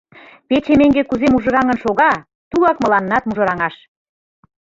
Пече меҥге кузе мужыраҥын шога, тугак мыланнат мужыраҥаш!